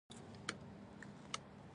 اوس تابوتونو ته هم کم دي لرګي